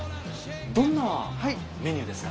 どんなメニューですか？